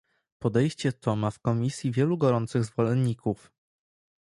Podejście to ma w Komisji wielu gorących zwolenników